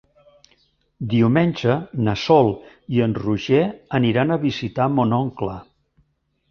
Diumenge na Sol i en Roger aniran a visitar mon oncle.